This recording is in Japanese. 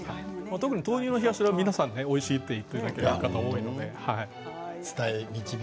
特に豆乳の冷や汁は皆さんおいしいって言っていただけることが多いので。